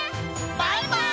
バイバイ！